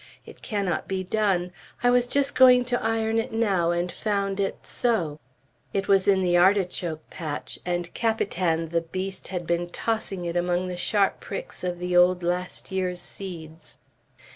It cannot be done. I was just going to iron it now, and I found it so It was in the artichoke patch, and Capitan, the beast, had been tossing it among the sharp pricks of the old last year's seeds."